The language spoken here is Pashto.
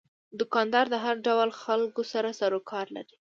دوکاندار د هر ډول خلکو سره سروکار لري.